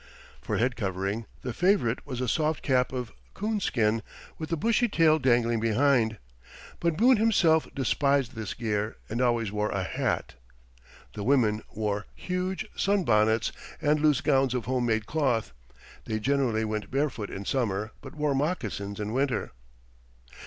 For head covering, the favorite was a soft cap of coonskin, with the bushy tail dangling behind; but Boone himself despised this gear, and always wore a hat. The women wore huge sunbonnets and loose gowns of home made cloth; they generally went barefoot in summer, but wore moccasins in winter.